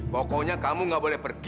pokoknya kamu gak boleh pergi